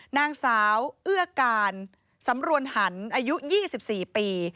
นางสาวเอื้อการสำรวนหันอายุ๒๔ปี